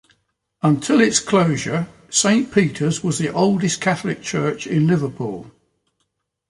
Until its closure, Saint Peter's was the oldest Catholic Church in Liverpool.